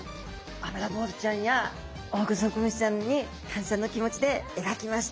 アブラボウズちゃんやオオグソクムシちゃんに感謝の気持ちで描きました。